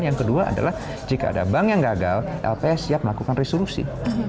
yang kedua adalah jika ada bank yang gagal lps siap melakukan resolusi